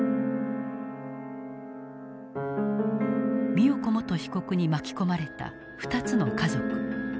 美代子元被告に巻き込まれた２つの家族。